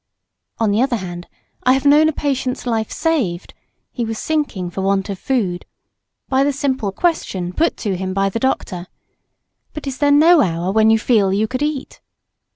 On the other hand, I have known a patient's life saved (he was sinking for want of food) by the simple question, put to him by the doctor, "But is there no hour when you feel you could eat?"